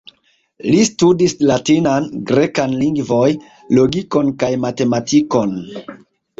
Li studis latinan, grekan lingvoj, logikon kaj matematikon.